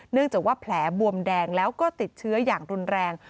เนื่องจากว่าแผลบวมแดงแล้วก็ติดเชื้ออย่างรุนแรง